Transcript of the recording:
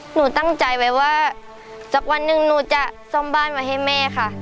หนูตั้งใจไว้ว่าสักวันหนึ่งหนูจะซ่อมบ้านมาให้แม่ค่ะ